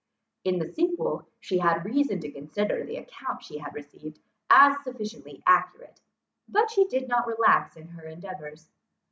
In the sequel she had reason to consider the account she had received as sufficiently accurate, but she did not relax in her endeavours.